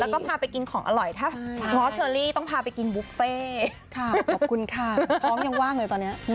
ทีก็จะลงไปเรื่อยขึ้นไปเรื่อย